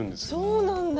そうなんだ。